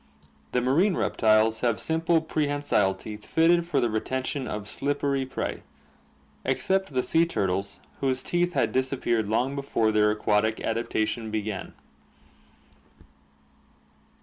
The marine reptiles have simple prehensile teeth fitted for the retention of slippery prey, except the sea turtles whose teeth had disappeared long before their aquatic adaptation began.